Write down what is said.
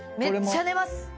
めっちゃ寝ます。